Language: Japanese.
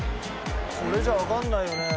これじゃわかんないよね。